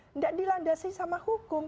tidak dilandasi sama hukum